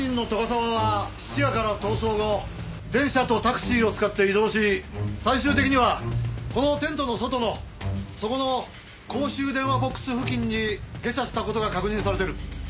沢は質屋から逃走後電車とタクシーを使って移動し最終的にはこのテントの外のそこの公衆電話ボックス付近に下車した事が確認されている。